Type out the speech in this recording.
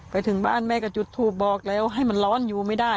ไปถึงบ้านแม่ก็จุดทูปบอกแล้วให้มันร้อนอยู่ไม่ได้